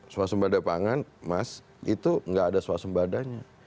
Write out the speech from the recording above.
suas sembada pangan mas itu gak ada suas sembadanya